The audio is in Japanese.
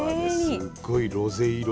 すっごいロゼ色で。